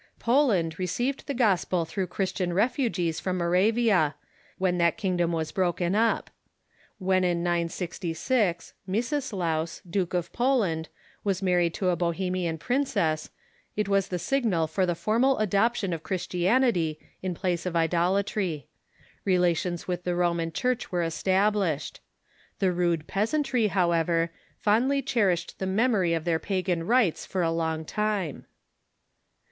Poland received the gospel through Christian refugees from Moravia, when that kingdom was broken up. When in 966 Miecislaus, Duke of Poland, was married to a Bohemi an princess, it was the signal for the formal adoption of Christianity in place of idolatry. Relations with the Ro man Church were established. The rude peasantry, however, fondly cherished the memory of their pagan rites for a long time.